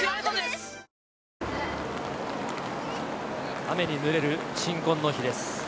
雨にぬれる鎮魂の碑です。